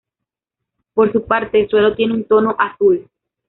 Por su parte, el suelo tiene un tono azul.